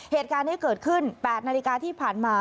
เหตุการณ์นี้เกิดขึ้น๘นาฬิกาที่ผ่านมา